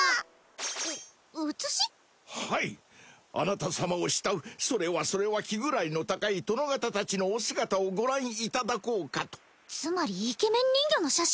はいあなた様を慕うそれはそれは気位の高い殿方たちのお姿をご覧いただこうかとつまりイケメン人魚の写真？